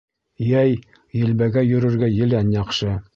Йәй елбәгәй йөрөргә елән яҡшы.